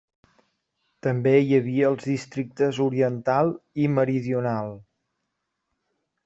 També hi havia els districtes oriental i meridional.